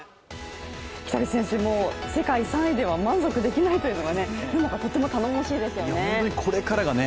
北口選手、世界３位では満足できないというのがとても頼もしいですよね。